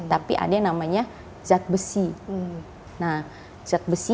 tapi ada yang namanya zat besi